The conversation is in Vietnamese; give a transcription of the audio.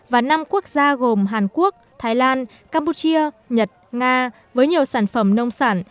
và năm quốc gia gồm hàn quốc thái lan campuchia nhật nga với nhiều sản phẩm nông sản